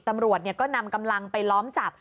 ตำรวจก็นำกำลังไปล้อมจับ